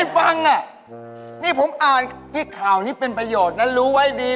ผมเรียกมันว่าไอ้หมอนี่